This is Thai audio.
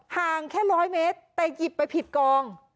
ห่างแค่๑๐๐เมตรแต่หยิบไปผิดกอง